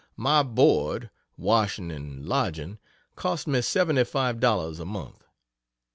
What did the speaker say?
My board, washing and lodging cost me seventy five dollars a month.